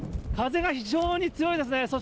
風が非常に強いですね。